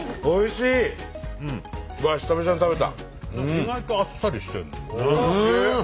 意外とあっさりしてる。